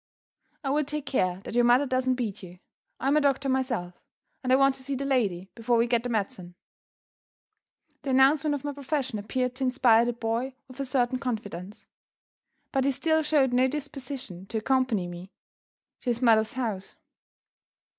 "I will take care that your mother doesn't beat you. I am a doctor myself; and I want to see the lady before we get the medicine." The announcement of my profession appeared to inspire the boy with a certain confidence. But he still showed no disposition to accompany me to his mother's house.